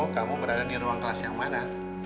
kamu berada di ruang kelas yang mana